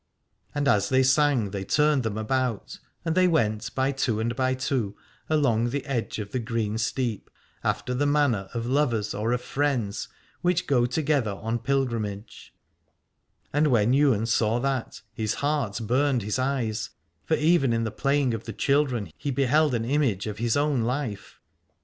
And as they sang they turned them about, and they went by two and by two along the edge of the green steep, after the manner of lovers or of friends which go together on pilgrimage : and when Ywain saw that his heart burned his eyes, for even in the playing of the children he beheld an image of his own life.